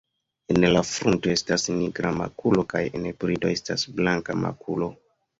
En la frunto estas nigra makulo kaj en brido estas blanka makulo.